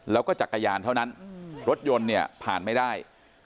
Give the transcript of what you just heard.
แล้วก็จักรยานเท่านั้นรถยนต์เนี่ยผ่านไม่ได้